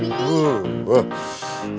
iya ngeri banget sih pi